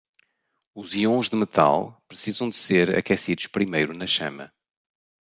Os íons de metal precisam ser aquecidos primeiro na chama.